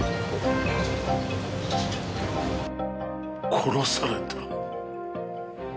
殺された？